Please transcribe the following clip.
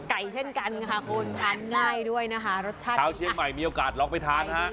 เช่นกันค่ะคุณทานง่ายด้วยนะคะรสชาติชาวเชียงใหม่มีโอกาสลองไปทานฮะ